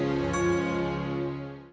karena angga adalah sahabat dari